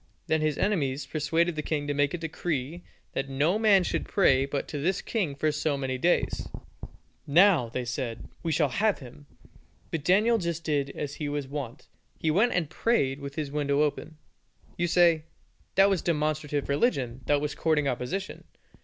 Then his enemies persuaded the king to make a decree that no man should pray but to this king for so many days. "Now," they said, "we shall have him." But Daniel just did as he was wont, he went and prayed with his window open. You say, "That was demonstrative religion, that was courting opposition.